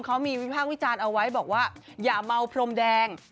เขามีวิพากษ์วิจารณ์เอาไว้บอกว่าอย่าเมาพรมแดง